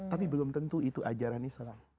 tapi belum tentu itu ajaran islam